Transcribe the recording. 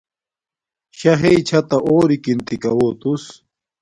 شݳ ہݵئ چھݳ تݳ ݳورِکِن تِکَݸہ تُس.